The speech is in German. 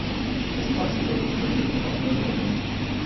Das Empfangsgebäude wurde saniert und um einen Neubau ergänzt.